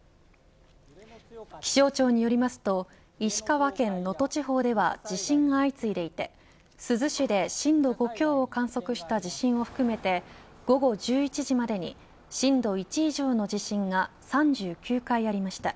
気象庁によりますと石川県能登地方では地震が相次いでいて珠洲市で震度５強を観測した地震も含めて午後１１時までに震度１以上の地震が３９回ありました。